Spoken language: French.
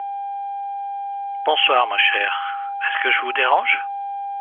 Bonsoir, ma chère ; est-ce que je vous dérange ?